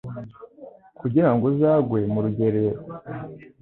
kugira ngo uzagwe mu rugerero